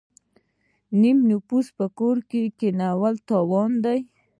نیم نفوس په کور کینول تاوان دی.